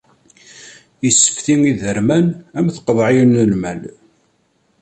Issefti iderman am tqeḍɛiyin n lmal.